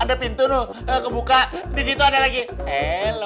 ada pintu tuh kebuka di situ ada lagi hello